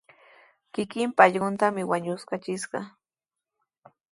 Kikinpa allquntami wañuskachishqa.